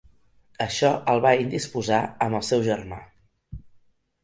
Això el va indisposar amb el seu germà.